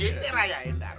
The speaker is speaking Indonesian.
kita rayain dar